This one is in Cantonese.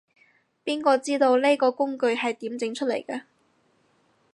邊個知道，呢個工具係點整出嚟嘅